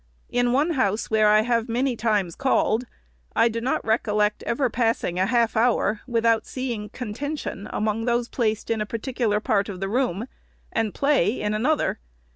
In one house where I have many times called, I do not recollect ever passing a half hour, without seeing contention among those placed in a particular part of the room, and play in another.